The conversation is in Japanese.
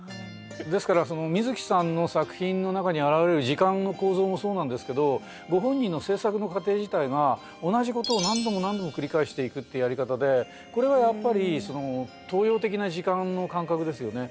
ですからその水木さんの作品の中にあらわれる時間の構造もそうなんですけどご本人の制作の過程自体が同じことを何度も何度も繰り返していくってやり方でこれはやっぱりその東洋的な時間の感覚ですよね。